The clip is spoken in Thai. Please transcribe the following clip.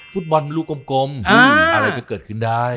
ฟุตบอลลูกกลมอะไรก็เกิดขึ้นได้